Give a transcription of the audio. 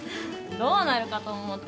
どうなるかと思った。